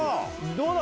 どうだ？